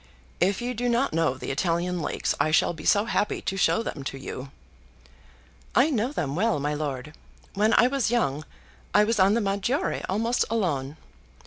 If you do not know the Italian lakes, I shall be so happy to show them to you." "I know them well, my lord. When I was young I was on the Maggiore almost alone.